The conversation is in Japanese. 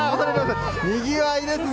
にぎわいですね。